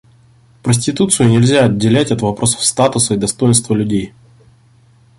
Проституцию нельзя отделять от вопросов статуса и достоинства людей.